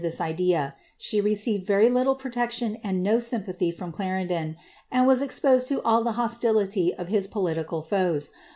this idea ; she received very little protection and no sympathy from Ch* rendon, and was exjtosed to all the hostility of his political foes.